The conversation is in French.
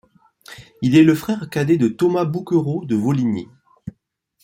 Il est le frère cadet de Thomas Bouquerot de Voligny.